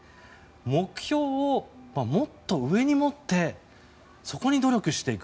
目標をもっと上に持ってそこに努力していく。